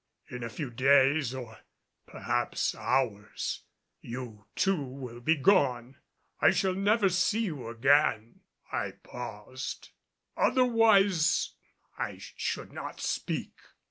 In a few days or perhaps hours you too will be gone. I shall never see you again." I paused. "Otherwise I should not speak."